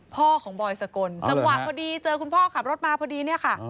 พ่อของบอยสกลจังหวะพอดีเจอคุณพ่อขับรถมาพอดีเนี่ยค่ะ